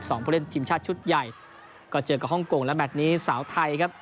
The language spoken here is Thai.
ผู้เล่นทีมชาติชุดใหญ่ก็เจอกับฮ่องกงและแมทนี้สาวไทยครับ